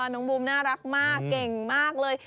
น้องบุ้มน่ารักมากเก่งมากเลย